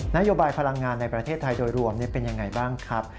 นโยบายพลังงานในประเทศไทยโดยรวมเป็นยังไงบ้างครับ